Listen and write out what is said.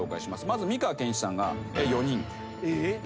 まず美川憲一さんが。